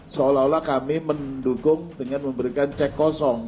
seolah olah kami mendukung dengan memberikan cek kosong